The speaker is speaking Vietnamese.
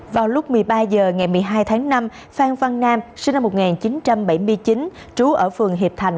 vào lúc một mươi ba h ngày một mươi hai tháng năm phan văn nam sinh năm một nghìn chín trăm bảy mươi chín trú ở phường hiệp thành